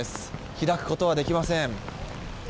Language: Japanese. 開くことはできません。